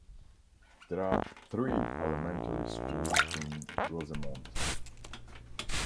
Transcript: There are three elementary schools in Rosemont.